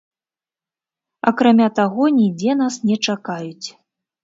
Акрамя таго, нідзе нас не чакаюць.